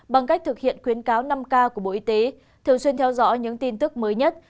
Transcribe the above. bằng cách thực hiện khuyến cáo năm k của bộ y tế thường xuyên theo dõi những tin tức mới nhất